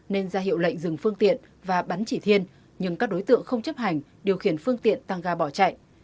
nên ra hiệu lệnh dừng phương tiện và bắn chỉ thiên nhưng các đối tượng không chấp hành điều khiển phương tiện tăng ga bỏ chạy